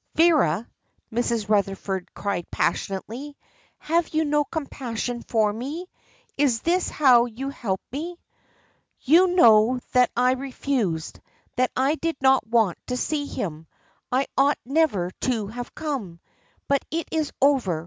"Vera," Mrs. Rutherford cried passionately, "have you no compassion for me? Is this how you help me?" "You know that I refused, that I did not want to see him. I ought never to have come. But it is over.